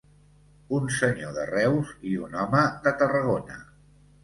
Un senyor de Reus i un home de Tarragona.